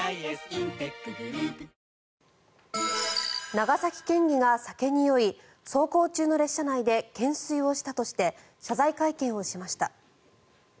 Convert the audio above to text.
長崎県議が酒に酔い走行中の列車内で懸垂をしたとして謝罪会見をしました。